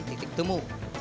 membuahkan tiket temu